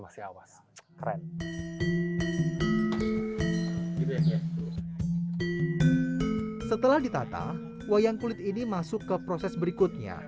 setelah ditata wayang kulit ini masuk ke proses berikutnya